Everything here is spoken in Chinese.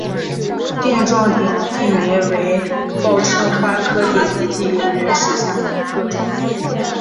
垫状点地梅为报春花科点地梅属下的一个种。